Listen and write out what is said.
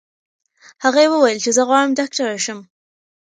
هغې وویل چې زه غواړم ډاکټره شم.